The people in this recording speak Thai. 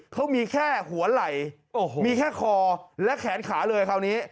เขามีแค่หัวไหล่มีแค่คอและแขนขาเลยคราวนี้